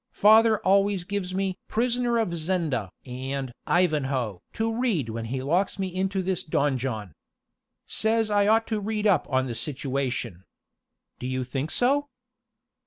Father always gives me Prisoner of Zenda and Ivanhoe to read when he locks me into this donjon. Says I ought to read up on the situation. Do you think so?"